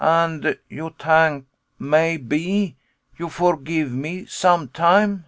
] And you tank maybe you forgive me sometime?